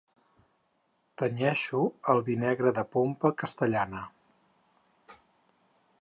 Tenyeixo el vi negre de pompa castellana.